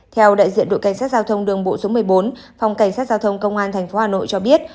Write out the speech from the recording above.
theo đại diện đội cảnh sát giao thông đường bộ số một mươi bốn phòng cảnh sát giao thông công an tp hà nội cho biết